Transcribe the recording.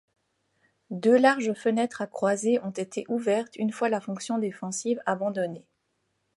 Deux larges fenêtres à croisées ont été ouvertes une fois la fonction défensive abandonnée.